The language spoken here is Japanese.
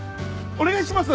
お願いします！